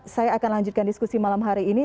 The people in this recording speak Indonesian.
saya akan lanjutkan diskusi malam hari ini